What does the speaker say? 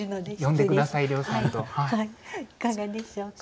いかがでしょうか？